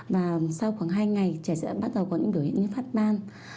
và sau khoảng hai ngày trẻ sẽ bắt đầu có những biểu hiện như phát ban